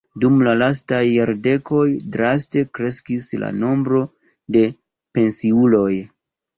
Dum la lastaj jardekoj draste kreskis la nombro de pensiuloj.